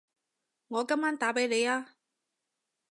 我今晚打畀你吖